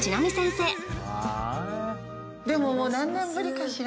でももう何年ぶりかしら。